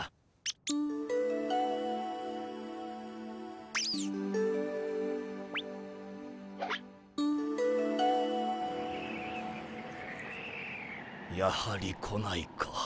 ポキュ。やはり来ないか。